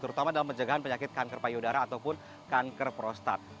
terutama dalam penjagaan penyakit kanker payudara ataupun kanker prostat